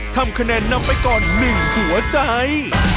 ทำคะแนนนำไปก่อน๑หัวใจ